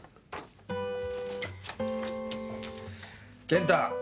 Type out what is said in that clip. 健太。